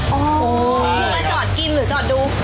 อยู่มาจอดกินหรือจอดดู